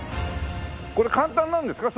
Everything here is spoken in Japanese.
これ簡単なんですか？